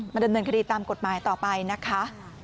ดำเนินคดีตามกฎหมายต่อไปนะคะ